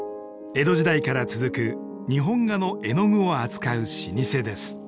江戸時代から続く日本画の絵の具を扱う老舗です。